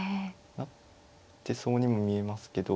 なってそうにも見えますけど。